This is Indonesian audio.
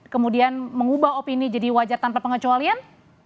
kemudian mengubah opini jadi wajar tanpa pengecualian